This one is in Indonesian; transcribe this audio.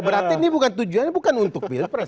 berarti ini tujuannya bukan untuk pil pres